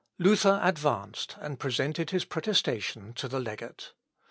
Luther advanced, and presented his protestation to the legate.